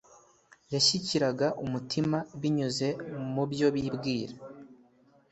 Yashyikiraga umutima binyuze mu byo bibwira.